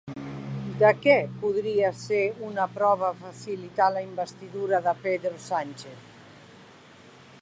De què podria ser una prova facilitar la investidura de Pedro Sánchez?